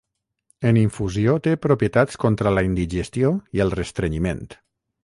En infusió té propietats contra la indigestió i el restrenyiment.